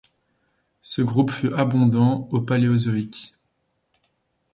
Ce groupe fut abondant au Paléozoïque.